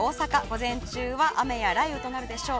午前中は雨や雷雨となるでしょう。